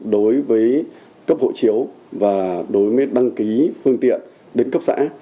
đối với cấp hộ chiếu và đối với đăng ký phương tiện đến cấp xã